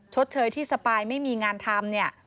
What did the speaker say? ชดเชยที่สปายไม่มีงานทำเนี่ย